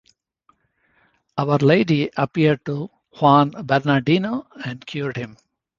Our Lady appeared to Juan Bernardino and cured him.